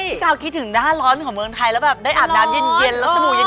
พี่กาวคิดถึงหน้าร้อนของเมืองไทยแล้วแบบได้อาบน้ำเย็นแล้วสบู่เย็น